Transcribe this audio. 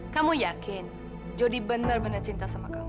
kamu yakin jody benar benar cinta sama kamu